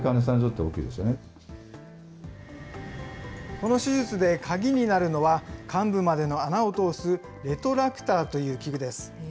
この手術で鍵になるのは、患部までの穴を通すレトラクターという器具です。